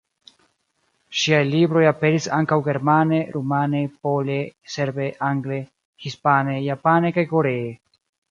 Ŝiaj libroj aperis ankaŭ germane, rumane, pole, serbe, angle, hispane, japane kaj koree.